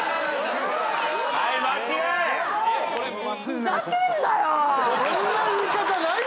はい間違い！